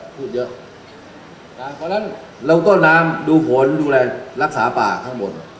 เพราะฉะนั้นต้นน้ำดูผลดูอะไรรักษาป่าข้างบน